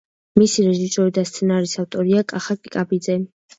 მისი რეჟისორი და სცენარის ავტორია კახა კიკაბიძე.